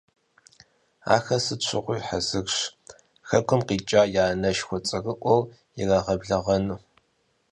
Ахэр сыт щыгъуи хьэзырщ хэкум къикӏа я анэшхуэ цӀэрыӀуэр ирагъэблэгъэну.